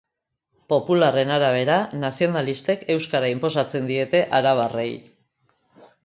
Popularren arabera, nazionalistek euskara inposatzen diete arabarrei.